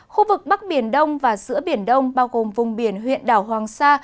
khu vực bắc biển đông và giữa biển đông bao gồm vùng biển huyện đảo hoàng sa